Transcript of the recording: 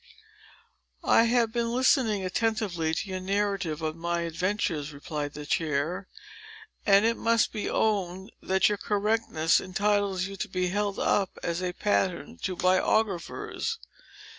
"I have been listening attentively to your narrative of my adventures," replied the chair, "and it must be owned, that your correctness entitles you to be held up as a pattern to biographers.